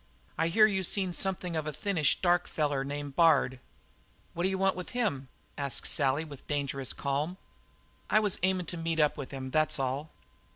"I hear you seen something of a thinnish, dark feller named Bard." "What d'you want with him?" asked Sally with dangerous calm. "I was aimin' to meet up with him. That's all."